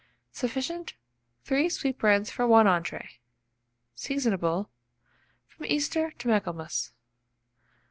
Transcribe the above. Sufficient 3 sweetbreads for 1 entrée. Seasonable from Easter to Michaelmas.